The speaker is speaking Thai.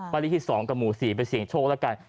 บ้านลิธิ๒กับหมู่๔ไปเสี่ยงโชคละกัน